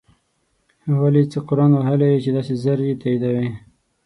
ولی څه قرآن وهلی یی چی داسی ژر یی تاییدوی